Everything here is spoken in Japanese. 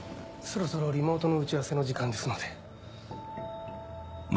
そろそろリモートの打ち合わせの時間ですので。